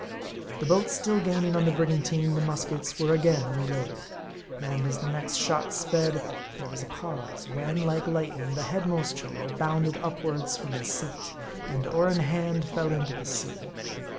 The boat still gaining on the brigantine, the muskets were again reloaded. And as the next shot sped, there was a pause ; when, like lightning, the headmost Cholo bounded upwards from his seat, and oar in hand, fell into the sea.